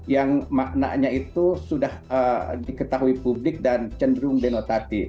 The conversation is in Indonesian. yang maknanya itu sudah diketahui publik dan cenderung denotatif